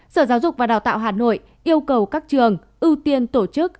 sở giáo dục và đào tạo hà nội yêu cầu các trường ưu tiên tổ chức